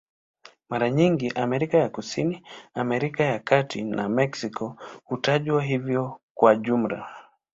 Mara nyingi Amerika ya Kusini, Amerika ya Kati na Meksiko hutajwa hivyo kwa jumla.